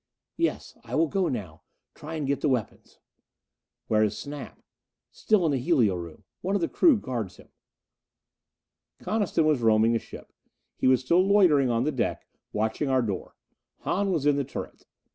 "Yes. I will go now try and get the weapons." "Where is Snap?" "Still in the helio room. One of the crew guards him." Coniston was roaming the ship; he was still loitering on the deck, watching our door. Hahn was in the turret.